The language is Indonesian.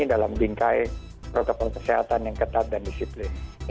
dalam bingkai protokol kesehatan yang ketat dan disiplin